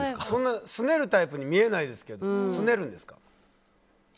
そんなすねるタイプに見えないですけどすねるんですか。